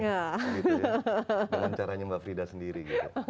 dengan caranya mbak frida sendiri gitu